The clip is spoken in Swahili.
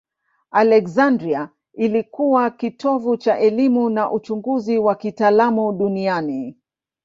Aleksandria ilikuwa kitovu cha elimu na uchunguzi wa kitaalamu duniani.